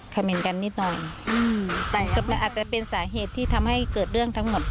เมนกันนิดหน่อยอาจจะเป็นสาเหตุที่ทำให้เกิดเรื่องทั้งหมด